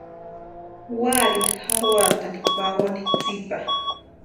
¿Úarini jarhoatani pawani tsipa?